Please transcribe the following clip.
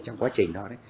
trong quá trình đó